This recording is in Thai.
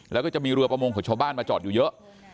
แล้วก็จะมีเรือประมงของชาวบ้านมาจอดอยู่เยอะ